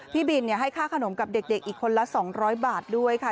พี่บินให้ค่าขนมกับเด็กอีกคนละ๒๐๐บาทด้วยค่ะ